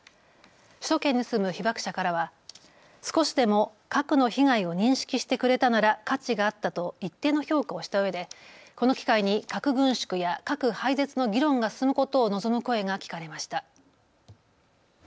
首都圏に住む被爆者からは少しでも核の被害を認識してくれたなら価値があったと一定の評価をしたうえでこの機会に核軍縮や核廃絶の議論が進むことを望む声が聞かれました。